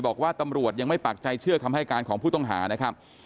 บอกว่าตำรวจยังไม่ปากใจเชื่อคำให้การของผู้ต้องหานะครับ